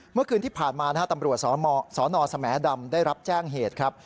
เมื่อคืนที่ผ่านมานะฮะตำรวจสนสแหมดำได้รับแจ้งเหตุครับ